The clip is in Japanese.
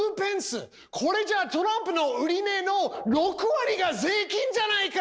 これじゃあトランプの売値の６割が税金じゃないか！